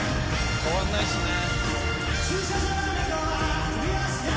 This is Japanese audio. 変わんないっすね。